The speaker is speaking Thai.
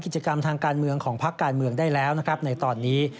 กิจกรรมทางการเมืองของพักการเมืองได้แล้วนะครับในตอนนี้